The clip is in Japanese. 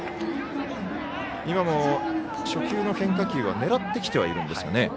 今も初球の変化球は狙ってきてはいるんですが。